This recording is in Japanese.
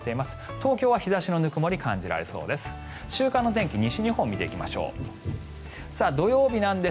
東京は日差しのぬくもりが感じられそうです。